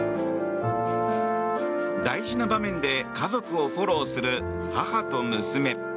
大事な場面で家族をフォローする母と娘。